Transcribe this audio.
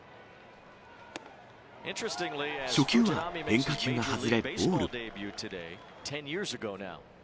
初球は変化球が外れ、ボール。